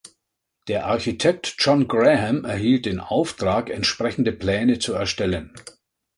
Der Architekt John Graham erhielt den Auftrag, entsprechende Pläne zu erstellen.